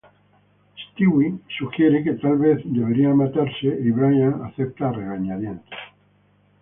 Stewie sugiere que tal vez deberían matarse y Brian acepta a regañadientes.